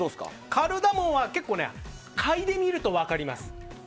カルダモンはかいでみると分かります。